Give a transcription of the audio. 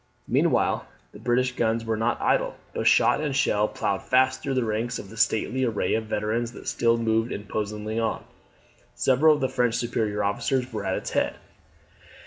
Meanwhile the British guns were not idle; but shot and shell ploughed fast through the ranks of the stately array of veterans that still moved imposingly on. Several of the French superior officers were at its head.